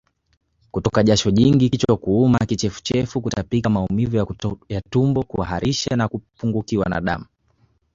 Kutoka jasho jingi kichwa kuuma Kichefuchefu Kutapika Maumivu ya tumboKuharisha na kupungukiwa damu